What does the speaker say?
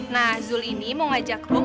nah zul ini mau ngajak room